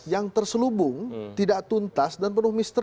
yang terselubung tidak tuntas dan penuh misteri